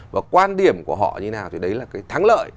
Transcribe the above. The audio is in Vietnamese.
và quan điểm của họ như nào thì đấy là cái thắng lợi